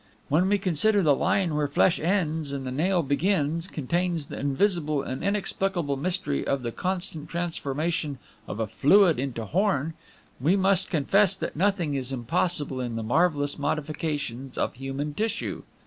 "When we consider the line where flesh ends and the nail begins contains the invisible and inexplicable mystery of the constant transformation of a fluid into horn, we must confess that nothing is impossible in the marvelous modifications of human tissue.